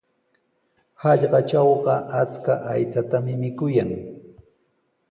Hallqatrawqa achka aychatami mikuyan.